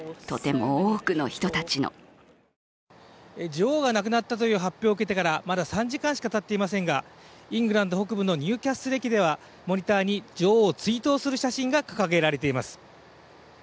女王が亡くなったという発表を受けてからまだ３時間しかたっていませんが、イングランド北部のニューキャッスル駅ではモニターに女王を追悼する写真が掲げられています。